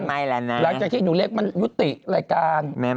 แล้วนะหลังจากที่หนูเล็กมันยุติรายการ